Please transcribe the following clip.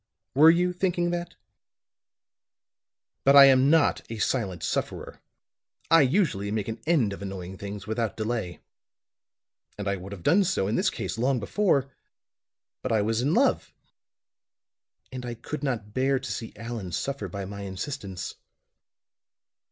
Were you thinking that? But I am not a silent sufferer. I usually make an end of annoying things without delay. And I would have done so in this case long before, but I was in love; and I could not bear to see Allan suffer by my insistence.